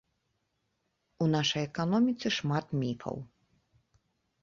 У нашай эканоміцы шмат міфаў.